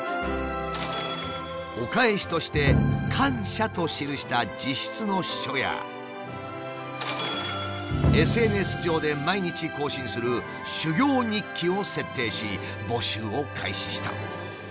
お返しとして「感謝」と記した「自筆の書」やＳＮＳ上で毎日更新する「修業日記」を設定し募集を開始した。